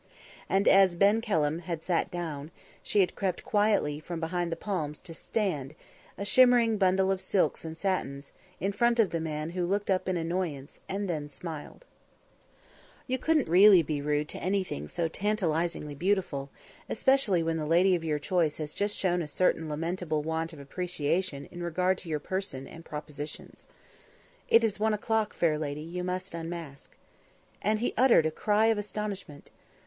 And as Ben Kelham had sat down, she had crept quietly from behind the palms to stand, a shimmering bundle of silks and satins, in front of the man who looked up in annoyance, and then smiled. You really couldn't be rude to anything so tantalisingly beautiful, especially when the lady of your choice has just shown a certain lamentable want of appreciation in regard to your person and propositions. "It's one o'clock, fair lady; you must unmask." And he uttered a cry of astonishment.